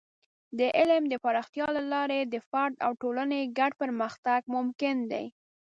د علم د پراختیا له لارې د فرد او ټولنې ګډ پرمختګ ممکن دی.